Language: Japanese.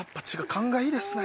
勘がいいですね！